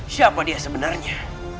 siapa dia sebenarnya